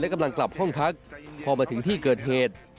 กำลังกลับห้องพักพอมาถึงที่เกิดเหตุ